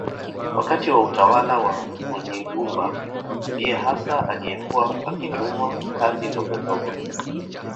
Wakati wa utawala wa Munyigumba ndiye hasa aliyekuwa akitumwa kazi ndogondogo